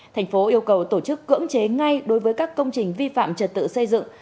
thành phố yêu cầu tổ chức cưỡng chế ngay đối với các công trình vi phạm trật tự xây dựng